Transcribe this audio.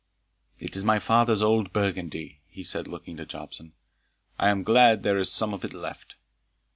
"It is my father's old burgundy," he said, looking to Jobson; "I am glad there is some of it left.